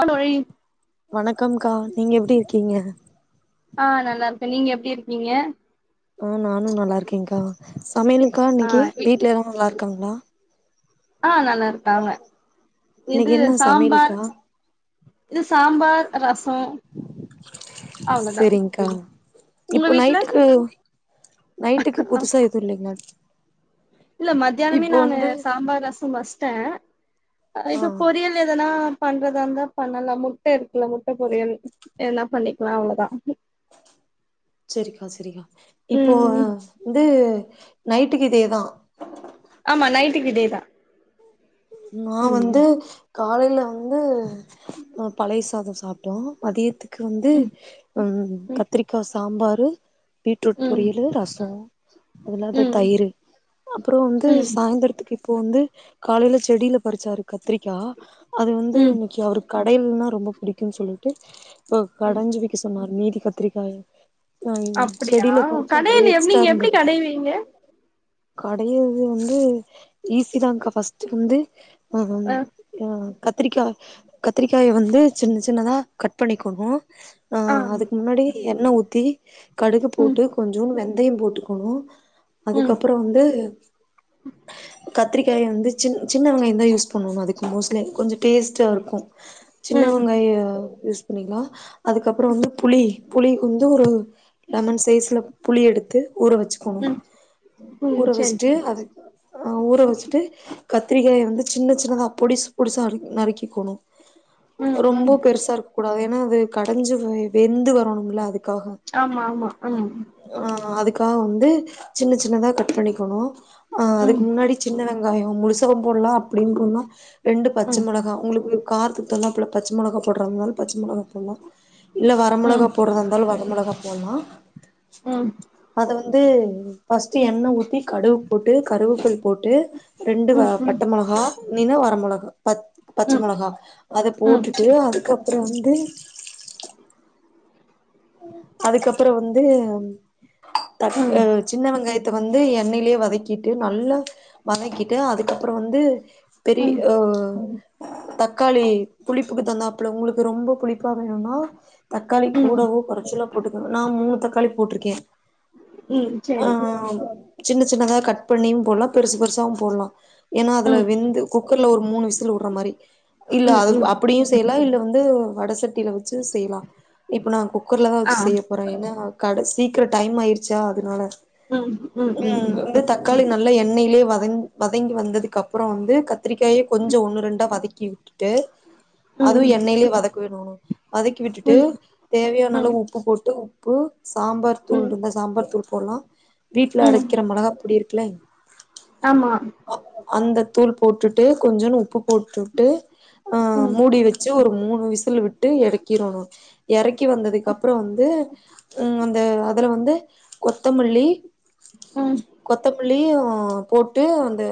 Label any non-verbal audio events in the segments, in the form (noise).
hello ஏய் வணக்கம்கா நீங்க எப்படி இருக்கீங்க ஆ நல்லா இருக்கேன் நீங்க எப்டி இருக்கீங்க ஆ நானும் நல்லா இருக்கேன்கா சமையலுன்க்கா ஆ இன்னைக்கி இ வீட்ல யல்லாரும் நல்லா இருக்காங்ளா ஆ நல்லா இருக்காங்க இது இன்னைக்கு என்ன சாம்பார் சமையல்கா இது சாம்பார் ரசம் அவ்ளோதான் செரிங்க்கா உங்க இப்போ வீட்ல நைட்டுக்கு நைட்டுக்கு புதுசா எதுவு இல்லைங்களா இல்ல மத்யானமே இப்போ நானு வந்து சாம்பார் ரசம் பஸ் டே இப்ப ஆ பொரியல் எதனா பண்றதா இருந்தா பண்ணலா முட்ட இருக்ல முட்ட பொரியல் எதனா பண்ணிக்லா அவ்ளோதான் செரிக்கா செரிக்கா இப்போ ம் வந்து நைட்டுக்கு இதேதா ஆமா நைட்டுக்கூ இதேதா நா ம் வந்து காலைல வந்து பழைய சாதம் சாப்ட்டோ மதியத்து வந்து ம் ம் கத்திரிக்கா சாம்பார் பீட்ரூட் ம் பொரியல்லு ரசோ அது லாந்தா ம் தயிரு அப்பறோ வந்து ம் சாய்ந்தரத்துக்கு இப்ப வந்து கால்ல செடியில பரிச்சாரு கத்திரிக்கா அது வந்து ம் இன்னைக்கு அவருக்கு கடையல்னா ரொம்ப புடிக்கும்னு சொல்லிட்டு ம் கடஞ்சு வெக்க சொன்னார் மீதி க கத்திரக்காயு அப்டியா கடையல் எக்ஸ்ட்ரா நீங்க எப்படி கடை வீங்க கடையரது வந்து ஈஸிதாக்கா ஃர்ஸ்ட்ட் வந்து அ ஆ கத்திரிக்கா கத்திரிக்காய வந்து சின்ன சின்னத கட் பண்ணிக்கணும் ஆ அதுக்கு முன்னாடி என்ன உத் தி கடுகு ம் போட்டு கொஞ்சோ வெ அதையு போட்டுக்கணு ம் அதுக்கப்பறோ வந்து கத்திரிக்காயை வந்து சின் சின்வங்வேகந்த யூஸ் பண்ணும் அதுக்கு மோஸ்ட்லே கொஞ்சோ டேஸ்ட்ட இருக்கூ சின்ன வெங்காய யூஸ் பண்ணிக்கலாம் அதுக்கப்புறம் வந்து புளி புளி வந்து ஒரு லெமன் சைஸில் புளி எடுத்து ஊற வச்சுக்கணும் ம் ம் ஊற சரி வச்சுட்டு சரி அது அஹ ஊற வச்சுட்டு கத்திரிக்காயை வந்து சின்ன சின்னதாக பொடிசு பொடிசாக அறு நறுக்கிக்கணும் ம் ம் ரொம்ப பெருசா இருக்கும் கூடாது ஏன்னா அது கடைஞ்சு வெந்து வரணும்ல அதுக்கு ஆமா ஆமா ஆம் க்க வந்து சின்ன ச சின்னத கட் பண்ணிக்கும்துக்கு ம் முன்னாடி சின்ன யம் முழுசா புத்தகம் போடலாம் அப்படின்னு சொன்னா ரெண்டு பச்சை ம் மிளகா உங்களுக்கு கார தல்லாம் ப (unintelligible) பச்சை மிளகா போடுந்தால் பச்சை மளக போடலாம் இல்ல வர மிளகா போடுற இருந்தால் வர மிளகா போமா ஆஹ் ச (unintelligible) ஃபஸ்ட்டு எண்ணெய் ற்றி கடுகு போட்டு கருவேப்பிலை போட்டு ரெண்டு கா ம் நினு வர மொளகு ப பச்ச ம் மொளகா அத ம் ம் போட்டுட்டு சரி அதுக்கப்புறம் வந்து அதுக்கப்பறம் வந்து தட் ம் அஹ் சின்னவெங்காய வந்து எண்ணெயிலயே வதக்கிட்டு நல்லா வதக்கிட்டு அதுக்கப்பற வந்து பெரிய ம் ஓ தக்காளி புளிப்புக்கு தகுந்தாப்புல உங்களுக்கு ரொம்ப புளிப்பா வேணுனா தக்காளி ம் கூடவு போட்டுக்க நா மூணு தக்காளி போட்ருக்கே ம் சரி ஆஹ் சின்ன சின்னதா கட் பண்ணியும் போட்லா பெருசு பெருசாவு போட்லா ஏன்னா அதுல ம் வெந்து குக்கர்ல ஒரு மூணு விசில் வுட்ற மாரி இல்ல ம் அது ம் அப்படியும் செய்யலா இல்ல வந் வட சட்டியில வந்து செய்யலா இப்ப நா கு குக்கர்ல தா ஆ வச்சு செய்ய போறே ஏன்னா கட சீக்கிர டைம் ஆய்டுச்சா அதனால ம் ம் ம் உம் ம் வந்து தக்காளி ந எண்ணெய்யிலயே வதங்கி வந்ததுக்கு அப்புற வந்து கத்திரிகாய கொஞ்சொ ஒன்னு ரெண்ட வதக்கி விட்டுட்டு அதுவு ம் எண்ணெயிலயே வதக்கி விடணு வதக்கி விட்டுட்டு ம் தேவையான நல்லா ம் உப்பு போட்டு ப்பூ சாம்பார் தூள் ருந்தா சாம்பார் தூள் போட்லா வீட்ல ம் அரைக்கிற மிளகாப்பொடி இருக் ப்ளைன் ஆமா அந்த தூள் போட்டுட்டு கொஞ்சோன்னு உப்பு போட்டுட்டு ம் மூடி வச்சு ஒரு மூணு விசில் விட்டு எறக்கிறணோ எறக்கி வந்தது ம் ப்புறம் வந்து உ அந்த அதுல வந்து கொத்தமல்லி ம் கொத்தமல்லி ஆஹ் போட்டு அந்த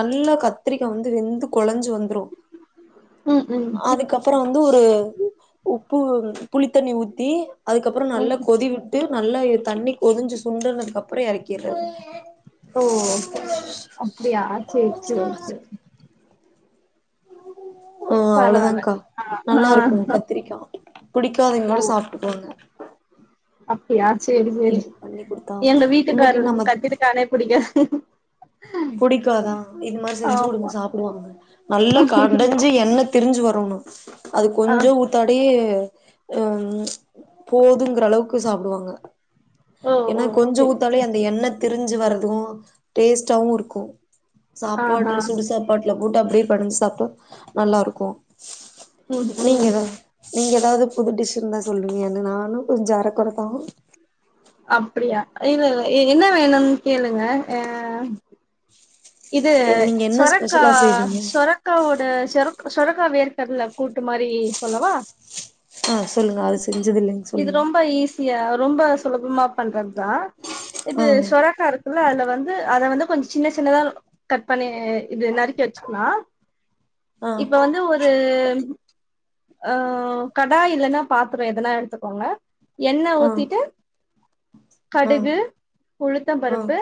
நல்ல கத்திரிக்க வந்து வெந்து கொழஞ்சு வந்துரு ம் அதுக்கப்பற எந்துரு உப்பு புளி சுடுதண்ணி உத்தி அதுக்கப்புறம் நல்லா ம் கொதிவிட்டு நல்லா தண்ணி கொதிஞ்சு சுண்ட ந அப்படியே இறக்கிறது ஓ அப்படியா சேரி சேரி சேரி ஆஹ் அவ்வளவுதான்கா பரவால்ல ஆ நல்லா இருக்கும் ஆ கத்திரிக்காய் பிடிக்காதங்க கூட ஓ சாப்பிட்டுக்குவாங்க அப்டியா சேரி சேரி எங்க இன்னைக்கு வீட்டுக்காரர்களுக்கு நம்ம கத்தரிக்காண்ணெ பிடிக்காது புடிக்காதா இது மாதிரி செஞ்சு கொடுங்க ஆமா சாப்பிடுவாங்க நல்லா கடைஞ்சு எண்ணெய் திரிஞ்சு வரணும் அது ஆ கொஞ்சம் ஊத்தோடி ஹம் போதுங்கற அளவுக்கு சாப்பிடுவாங்க ஓ ஓ ஏன்னா கொஞ்ச சேரி ஊத்தாலே சேரி அந்த எண்ணெய் தெரிஞ்சு வரும் வாவ் டேஸ்ட்டவும் இருக்கும் க்க ஆஹா சாப்பாடல சுடு சாப்பாடல போட்டு அப்படியே பெசஞ்சி சாப்பட்டு நல்லா இருக்கும் உஹம் உம் நீங்க ஏதாவது புது டிஷ்சு தான் சொல்லுவீங்கன்னு நானும் கொஞ்சம் அரக்குறைத்தான் அப்படியா இல்ல இல்ல என்ன வேணும்னு கேளுங்க அஹ் இது எ நீங்க என்ன சொரக்கா ஸ்பெஷலா செய்வீங்க சொரக்காவோட சொருக் சொருக் சும்மா வெர் கடல கூட்டு மாதிரி சொல்லவா ஆஹ் சொல்லுங்க அது செஞ்சது இல்லைங்க இது சொல்லுங்க ரொம்ப ஈஸியா ரொம்ப சுலபமா பண்றது தான் இது சொரக்க ல்ல அதுல வந்து அதை வந்து கொஞ்சம் சின்ன சின்னதா கட் பண்ணி இது நறுக்கி வச்சுக்கலாம் ஆ இப்ப ஆ வந்து ஒரு ஆஹ் கடா இல்ன்னா பாத்திரம் எதெல்லாம் எடுத்துக்கோங்க என்ன ஆ ஊத்திட்டு ஆ கடுகு உளுத்தம் ஆ பருப்பு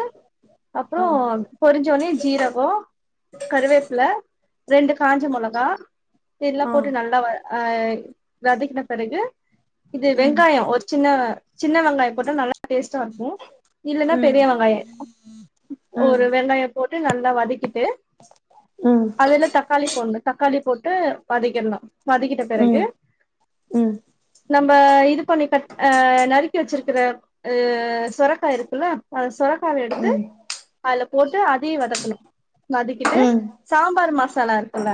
ஆ அப்புறம் பொரிஞ்சோனே ஜீரகம் கருவேப்பில ரெண்டு காஞ்ஜ மொளகா இதெல்லாம் ஆ போட்டு நல்லா வரும் ஆஹ் வதக்கின பிறகு இது ம் வெங்காயம் ஒரு சின்ன சின்ன வெங்காயம் போட்டு நல்லா டேஸ்டா இருக்கும் இல்ன்னா ம் பெரிய வெங்காயம் ம் ஒரு ம் வெங்காயம் போட்டு ட்டு நல்லா வதக்கிட்டு ம் அதுல தக்காளி போடுனும் தக்காளி போட் ட்டு வதக்கிட்னும் வதக்கிட்ட பெறகு ம் ம் ம் நம்ப இது கொண்ணி கட் நறுக்கி வச்சிருக்க க்கிற சொரக்கா இருக்குல்ல சொரக்காவ எடுத்து அதுல போட்டு அதையு வதக்கணும் வதக்கிட்டு ம் சாம்பார் மசா சலா இருக்குல்ல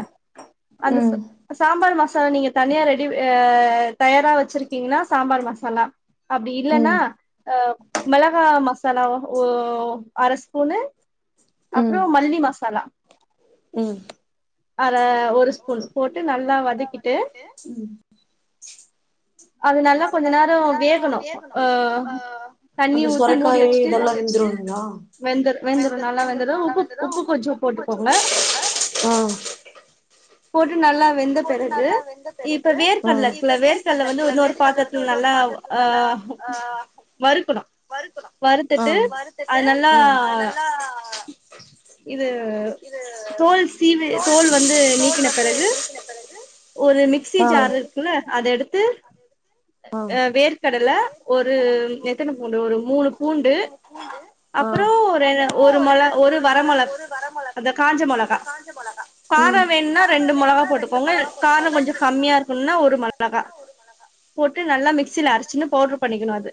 அந்த சாம்பார் மச சாலா நீங்க தனியா ரெடி தயாரா வச்சிருக்கீங்கன்னா சாம்பார் மசாலா அப்படி இல்ன்னா ம் ஆஹ் மெளகா மசாலா அரைஸ்பூனு அப்புறம் மல்லி மச சலாம் உம் அற ஒரு ஸ்பூன் போட்டு நல்லா வதக்கிட்டு உம் அது நல்லா கொஞ்ச நேர வேகணு தண்ணி அந்த ஊத்தி மூடி சொரக்காயும் வச்சுட்டு இதெல்லா வெந்துருல்லிங்களா வெந்துரு வெந்துரு நல்லா வெந்துரு நல்லா உப்பு வெந்துரு கொஞ்சோ உப்பு கொஞ்ச போட்டுக்கோங்க போட்டுக்கோங்க போட்டு நல்லா வெந்த பிறகு இப்ப வேர்க்கடல இருக்குல வேர்க்கடல வந்து இன்னொரு பா பாத்திரத்துல நல்லா ஆஹ் வறுக்கணும் வறுத்துட்டு அது நல்லா இது தோல் சீவி தோல் வந்து நீக்கின பிறகு ஒரு மிக்சி ஜார் ஒரு இருக்குல்ல அத எடுத்து ஆ வேர்க்கடல ஒரு எத்தனை பூண்டு ஒரு மூணு பூண்டு ஆ அப்புற ஒரு மொல ஒரு வர மொளக அந்த காஞ்ச மொளகா ம் காரம் வேணும்னா ரெண்டு மொளகா போட்டுக்கோங்க காரம் கொஞ்சம் கம்மியா இருக்கணும்னா ஒரு மொளகா போட்டு நல்லா மிக்சில அரைச்சினு பவுடர் பண்ணிக்கணு அது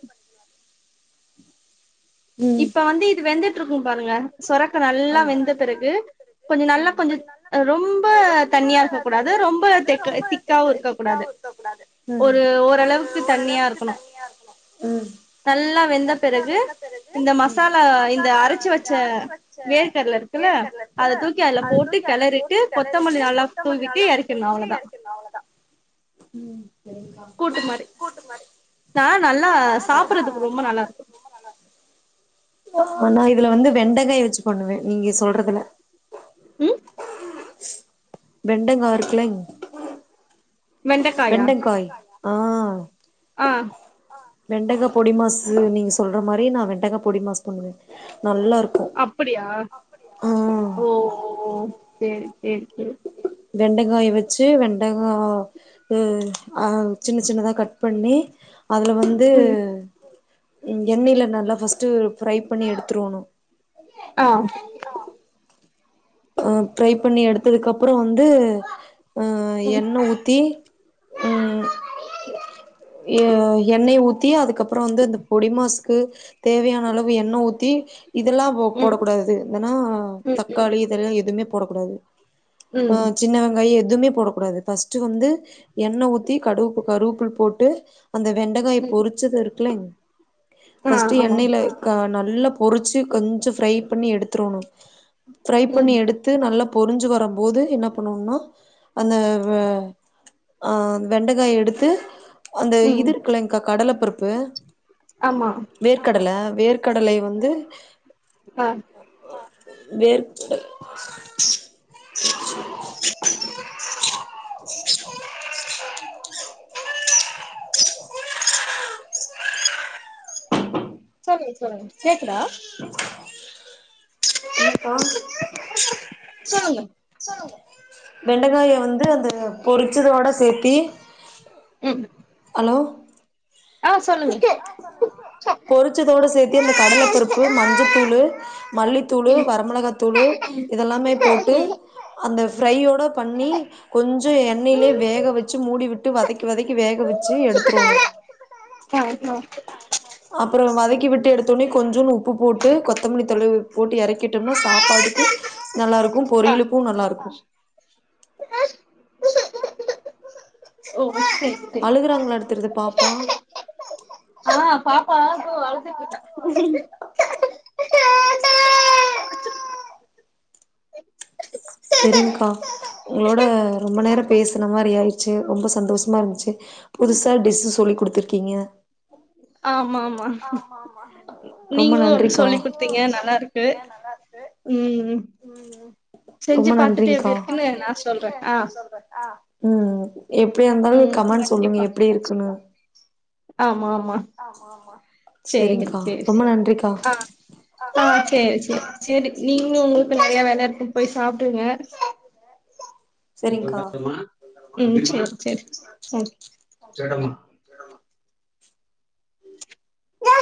ம் இப்ப வந்து இது வெந்துட்டு இருக்கும் பாருங்க சொரக்க நல்லா வெந்த பிறகு கொஞ்ச நல்லா ம் கொஞ்ச ரொம்ப தண்ணியா இருக்க கூடாது ரொம்ப திக்காவு இருக்கக்கூடாது ம் ஒரு ஓரளவுக்கு தண்ணியா இருக்கணு ம் நல்லா வெந்த பிறகு இந்த ம் மசாலா இந்த அரைச்சு வச்ச வேர்க்கடல இருக்குல்ல வேர்க்கடலைக்குல அத தூக்கி அதுல அத போட்டு தூக்கி அதுல கெளறிட்டு போட்டு கொத்தமல்லி கிளரிட்டு நல்லா கொத்தமல்லி தூவிட்டு எறக்கிடணு தூவிட்டு அவ்ளோதா எறக்கிணும் அவ்வளோதான் ட்டு மாதிரி நான் நல்லா சாப்பறதுக்கு ரொம்ப நல்லா இருக்கும் ஆனா இதுல வந்து வெண்டைக்காய் வச்சு பண்ணுவேன் நீங்க சொல்றதுல உம் வெண்டங்கா இருக்கலங் வெண்டைக்காயா ஆஹ ஆஹ் வெண்டகாய பொடி மாசு நீங்க சொல்ற மாதிரி நான் வெண்டகா பொடி மாசு பண்ணுவேன் நல்லா இருக்கும் அப்படியா ஓஓ சரி சரி சரி வெண்டைக்காய வச்சு வெண்டைகாய்ஹ் அஹ் சின்ன சின்னதா கட் பண்ணி அதுல வந்து ம் எண்ணெயில நல்லா ஃபர்ஸ்ட்ட் ஃப்ரை பண்ணி எடுத்துருவணும் ஆ அஹ் ஃபிரை பண்ணி எடுத்ததுக்கு அப்புறம் வந்து அஹம் ம் எண்ணெஊத்தி உம் எண்ணெய் ஊத்தி அதுக்கப்புறம் வந்து இந்த பொடிமாஸ் க்கு தேவையான அளவு எண்ணெ ஊத்தி இதெல்லாம் போ ம் போடக்க கூடாது ம் ம் வேனாதக்காளி எதுமே போடக்கூடாது ம் ஆஹ் சின்ன வெங்காயம் எதுவுமே போடக்கூடாது ஃபஸ்ட் வந்து எண்ணெய் ஊத்தி கட கருவுப்பில் போட்டு அந்த வெண்டைக்காய ம் பொரிச்சது இருக்குல ஆ பஸ்ட் ஆமா எண்ணெய்யில நல்ல பொறிச்சு கொஞ்சம் ஃப்ரை பண்ணி எடுத்துடுணும் பண்ணி ம் எடுத்து நல்ல பொரிஞ்சு வரும் போது என்ன பண்ணும்னா அந்த ஆஹ் வெண்டைக்காய எடுத்து அந்த இது ம் இருக்கிள்ளைங்க்காங் கடலை பருப்பு ஆமா வேர்க்கடலை வேர்க்கடலை வந்து ஆஹ் வேறு சரி சொல்லுங்க கேக்குதா என்னக்கா சொல்லுங்க வெண்டக்காய வந்து அந்த பொரிச்சதோட சேத்தி உம் ஹலோ ஆ சொல்லுங்க பொறிச்சதோட சேத்தி அந்தக் கடலப்பருப்பு மஞ்சத்தூளு மல்லித்தூளு வரமிளகா தூளு இதெல்லாமே ம் போட்டு அந்த ஃப்ரையோட பண்ணி கொஞ்ஜோ எண்ணெயிலயே வேக வச்சு மூடிவிட்டு வதைக் வதைக்கி வேக வச்சு எடுத்துருணும் ஆ ஆ அப்புறோ வதக்கி விட்டு எடுத்தோனே கொஞ்சனு உப்பு போட்டு கொத்தமல்லி தொழுவி போட்டு இறக்கிட்டோம்னா சாப்பாட்டுக்கு நல்லா இருக்கும் பொரியலுக்கும் நல்லா இருக்கும் ஓ செரி செரி அழுகுறாங்களாட்டோ தெரிது பா ப்ப ஆ பாப்பா அழுதுட்டு இருக்கா சரி்ங்கா உங்களோட ரொம்ப நேரம் பேசுன மாரி ஆயிருச்சு ரொம்ப சந்தோஷமா இருந்துச்சு புதுசா டிஸ் சொல்லிக் கொடுத் இருக்கீங்க ஆமா ஆமா ஆமா ஆமா ரொம்ப நீங்களு ஒன்னு நன்றிங்கா சொல்லி நீங்க குடுத்தீங்க ஒன்னு நல்லா சொல்லிக் இருக்கு குடுத்தீங்க நல்லா இருக்கு ம் செஞ்சு ரொம்ப பாத்துட்டு எப்டி நன்றி்ங்கா இருக்குன்னு நா சொல்றே ஆ சொல்றேன் உம் எப்டி இருந்தாலும் ம் கமண்ட் சொல்லுங்க கண்டிப்பா எப்டி இருக்குன்னு ஆமா சேரி செரிங்க்கா சேரி ரொம்ப நன்றிக்கா ஆஹ சேரி சேரி சேரி நீங்களும் உங்குளுக்கு நறையா வேல இருக்கும் போய் சாப்டுங்க செரிங்க்கா சேரி சேரி வா